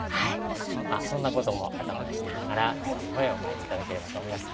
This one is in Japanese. そんなことも頭に入れながら中の方へお参り頂ければと思います。